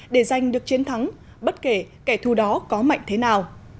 để giành được chiến thắng bất kể kẻ thù đó có mạnh thế nào